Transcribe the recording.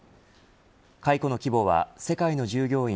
解雇の規模は世界の従業員